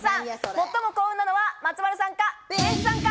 最も幸運なのは松丸さんか、ウエンツさんか？